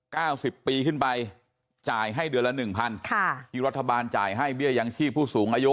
สิบปีขึ้นไปจ่ายให้เดือนละหนึ่งพันค่ะที่รัฐบาลจ่ายให้เบี้ยยังชีพผู้สูงอายุ